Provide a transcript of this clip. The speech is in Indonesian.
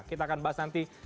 kita akan bahas nanti